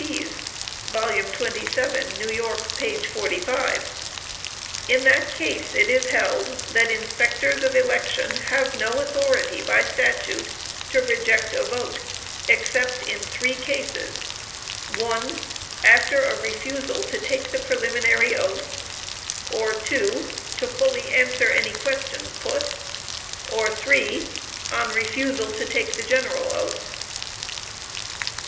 Pease, 27 N.Y. 45_. In that case it is held, that inspectors of election have no authority by statute to reject a vote except in three cases: (1) after a refusal to take the preliminary oath, or (2) fully to answer any questions put, or (3) on refusal to take the general oath.